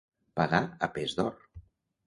Pagar a pes d'or.